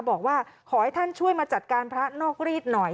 บอกว่าขอให้ท่านช่วยมาจัดการพระนอกรีดหน่อย